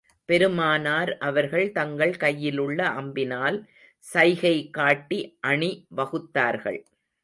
பெருமானார் அவர்கள் தங்கள் கையிலுள்ள அம்பினால் சைகை காட்டி அணி வகுத்தார்கள்.